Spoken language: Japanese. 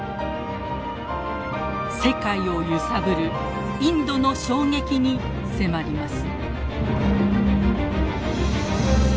世界を揺さぶるインドの衝撃に迫ります。